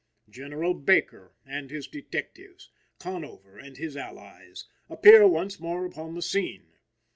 General Baker and his detectives, Conover and his allies, appear once more upon the scene.